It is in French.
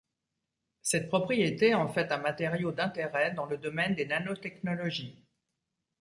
Cette propriété en fait un matériau d’intérêt dans le domaine des nanotechnologies.